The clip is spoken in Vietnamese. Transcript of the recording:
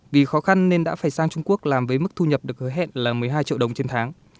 vì khó khăn nên đã phải sang trung quốc làm với mức thu nhập được hứa hẹn là một mươi hai triệu đồng trên tháng